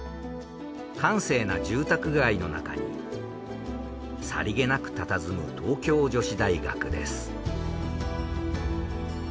閑静な住宅街の中にさりげなくたたずむ東京女子大学です。